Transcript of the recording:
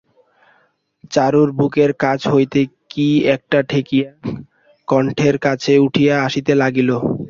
চারুর বুকের কাছ হইতে কী একটা ঠেলিয়া কণ্ঠের কাছে উঠিয়া আসিতে লাগিল।